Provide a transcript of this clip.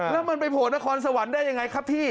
แล้วมันไปโผล่นครสวรรค์ได้ยังไงครับพี่